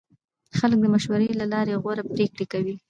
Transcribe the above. خلک د مشورې له لارې غوره پرېکړې کوي